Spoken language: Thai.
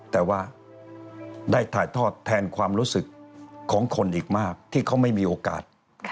แต่ว่าได้ถ่ายทอดแทนความรู้สึกของคนอีกมากที่เขาไม่มีโอกาส